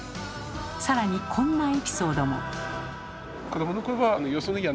さらにこんなエピソードも。